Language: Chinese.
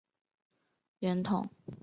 元统一全国后下诏毁福州城墙。